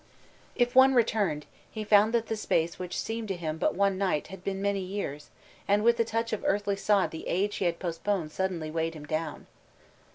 _ If one returned, he found that the space which seemed to him but one night, had been many years, and with the touch of earthly sod the age he had postponed suddenly weighed him down.